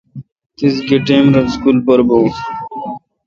تیس گہ ٹیم رل اسکول پر بون؟